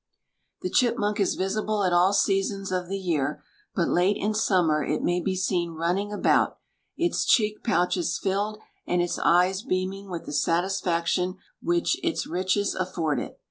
The chipmunk is visible at all seasons of the year, but late in summer it may be seen running about, "its cheek pouches filled and its eyes beaming with the satisfaction which its riches afford it."